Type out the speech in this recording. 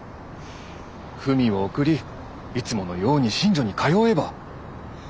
文を送りいつものように寝所に通えば。